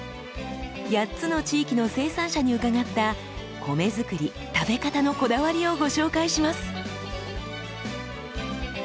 ８つの地域の生産者に伺った米作り食べ方のこだわりをご紹介します。